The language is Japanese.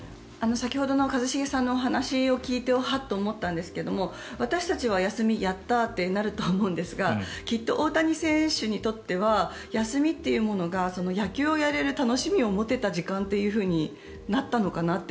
先ほどの一茂さんのお話を聞いてハッと思ったんですが私たちは、休み、やったー！ってなると思うんですがきっと大谷選手にとっては休みというものが野球をやれる楽しみを持てた時間となったのかなって。